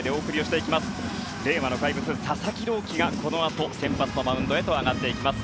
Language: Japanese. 令和の怪物、佐々木朗希がこのあと先発のマウンドへと上がっていきます。